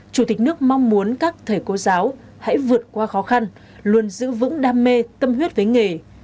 chủ tịch nước mong muốn các thầy cô giáo hãy vượt qua khó khăn luôn giữ vững đam mê tâm huyết với nghề